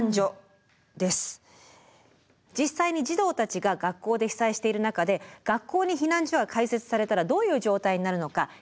実際に児童たちが学校で被災している中で学校に避難所が開設されたらどういう状態になるのか東日本大震災の例からご覧下さい。